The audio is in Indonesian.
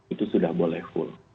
itu sudah boleh full